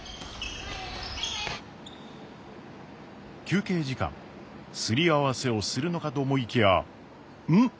休憩時間擦り合わせをするのかと思いきやん？